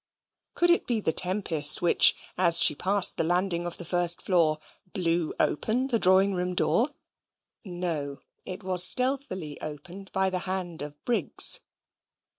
Could it be the tempest which, as she passed the landing of the first floor, blew open the drawing room door? No; it was stealthily opened by the hand of Briggs.